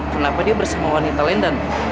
kenapa dia bersama wanita lain dan